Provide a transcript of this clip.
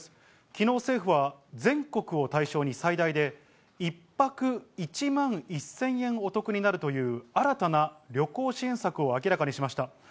きのう、政府は全国を対象に最大で１泊１万１０００円お得になるという新たな旅行支援策を明らかにしました。